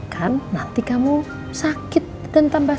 karena aku udah ngambek